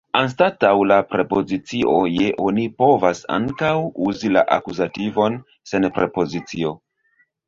Anstataŭ la prepozicio je oni povas ankaŭ uzi la akuzativon sen prepozicio.